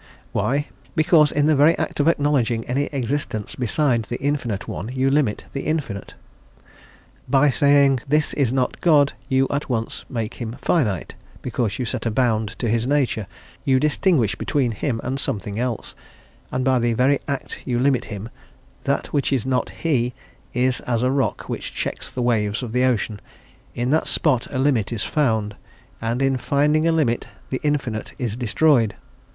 Why? Because in the very act of acknowledging any existence beside the Infinite One you limit the Infinite. By saying, "This is not God" you at once make him finite, because you set a bound to his nature; you distinguish between him and something else, and by the very act you limit him; that which is not he is as a rock which checks the waves of the ocean; in that spot a limit is found, and in finding a limit the Infinite is destroyed.